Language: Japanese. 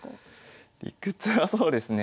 理屈はそうですね